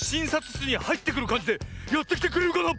しつにはいってくるかんじでやってきてくれるかな？